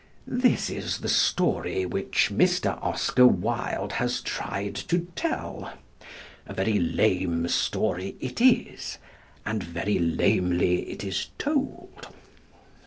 This is the story which Mr. Oscar Wilde has tried to tell; a very lame story it is, and very lamely it is told.